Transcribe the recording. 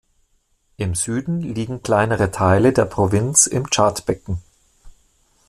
Im Süden liegen kleinere Teile der Provinz im Tschadbecken.